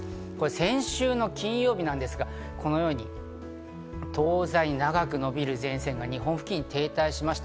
先週の金曜日ですが、このように東西に長く伸びる前線が日本付近に停滞しました。